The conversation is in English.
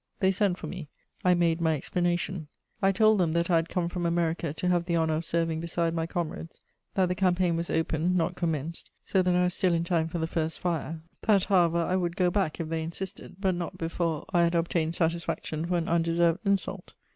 They sent for me; I made my explanation: I told them that I had come from America to have the honour of serving beside my comrades; that the campaign was opened, not commenced, so that I was still in time for the first fire; that, however, I would go back if they insisted, but not before I had obtained satisfaction for an undeserved insult.